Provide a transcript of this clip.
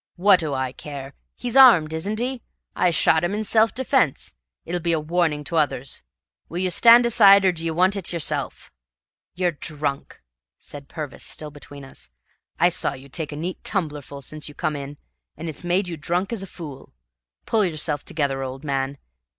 "Wha' do I care? He's armed, isn't he? I shot him in self defence. It'll be a warning to others. Will you stand aside, or d'ye want it yourself?" "You're drunk," said Purvis, still between us. "I saw you take a neat tumblerful since you come in, and it's made you drunk as a fool. Pull yourself together, old man.